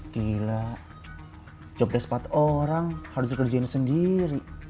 gila jobdesk empat orang harusnya kerjanya sendiri